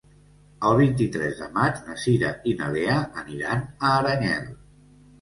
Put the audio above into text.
El vint-i-tres de maig na Cira i na Lea aniran a Aranyel.